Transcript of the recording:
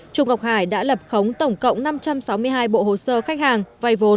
trung ngọc hải đã lập khống tổng cộng năm trăm sáu mươi hai bộ hồ sơ khách hàng vay vốn